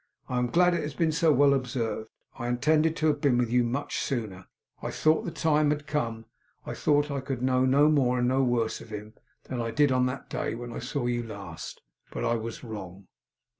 I am glad it has been so well observed. I intended to have been with you much sooner. I thought the time had come. I thought I could know no more, and no worse, of him, than I did on that day when I saw you last. But I was wrong.